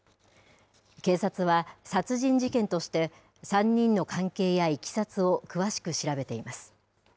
警察は殺人事件として３人の関係やいきさつを詳しく調べています。